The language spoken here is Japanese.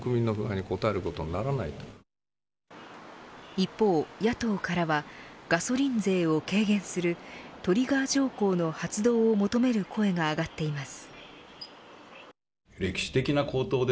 一方、野党からはガソリン税を軽減するトリガー条項の発動を求める声が上がっています。